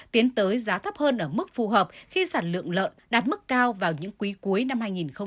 tiến tới giá thấp hơn ở mức phù hợp khi sản lượng lợn đạt mức cao vào những quý cuối năm hai nghìn hai mươi